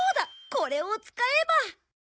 これを使えば。